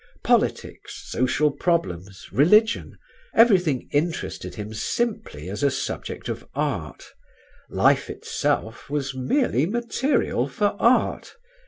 Politics, social problems, religion everything interested him simply as a subject of art; life itself was merely material for art.